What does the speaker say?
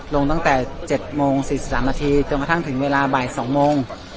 ลงตั้งแต่เจ็ดโมงสี่สิบสามนาทีจนกระทั่งถึงเวลาบ่ายสองโมง